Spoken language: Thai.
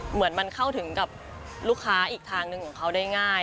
เหมือนมันเข้าถึงกับลูกค้าอีกทางหนึ่งของเขาได้ง่าย